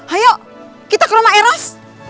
ayo kita ke rumah eros